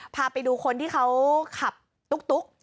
พาไปดูคนที่เขาขับตุ๊ก